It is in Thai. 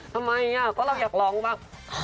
ทำไมก็เราอยากร้องบ้าง